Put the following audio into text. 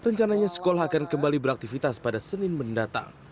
rencananya sekolah akan kembali beraktivitas pada senin mendatang